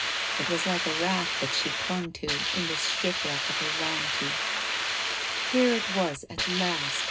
It was like a raft that she clung to in this shipwreck of her vanity. Here it was at last